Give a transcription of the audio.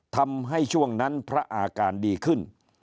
ทำให้ช่วงนั้นพระอาการดีขึ้น